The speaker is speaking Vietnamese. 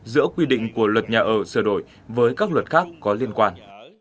giữa quy định của luật nhà ở sửa đổi với các luật khác có liên quan